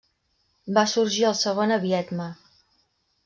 Va sorgir el segon a Viedma.